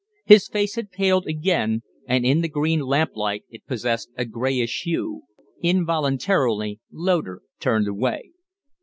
His face had paled again, and in the green lamplight it possessed a grayish hue. Involuntarily Loder turned away.